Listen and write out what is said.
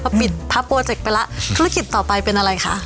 พอปิดทับโปรเจกต์ไปแล้วธุรกิจต่อไปเป็นอะไรคะ